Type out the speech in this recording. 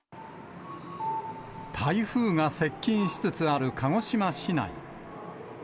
台風が接近しつつある鹿児島市内。